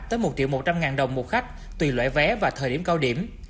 tới một một trăm linh ngàn đồng một khách tùy loại vé và thời điểm cao điểm